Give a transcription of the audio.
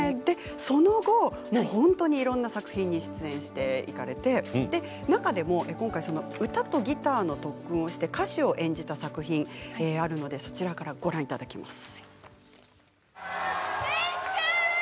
その後本当にいろいろな作品に出演していかれて中でも今回、歌とギターの特訓をして歌手を演じた作品ありますのでそちらからご覧いただきます。